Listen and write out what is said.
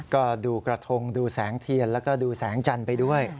ก็ดูกระทงดูแสงเทียนแล้วก็ดูแสงจันทร์ไปด้วย